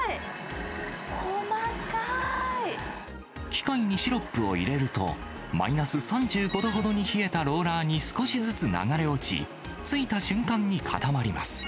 機械にシロップを入れると、マイナス３５度ほどに冷えたローラーに少しずつ流れ落ち、ついた瞬間に固まります。